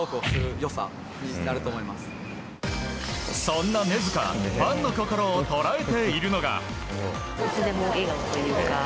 そんな根塚ファンの心を捉えているのが。